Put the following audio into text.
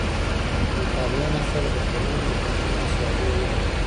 د مطالعې نسل به ټولنه له فکري بېسوادۍ وژغوري.